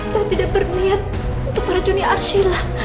saya tidak berniat untuk racuni arsyila